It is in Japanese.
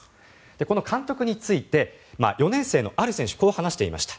この監督について４年生のある選手こう話していました。